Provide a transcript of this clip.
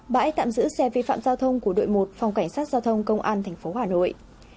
bãi tạm giữ xe vi phạm giao thông của đội một phòng cảnh sát giao thông công an tp hà nội